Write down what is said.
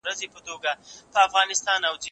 زه اوږده وخت موسيقي اورم وم!؟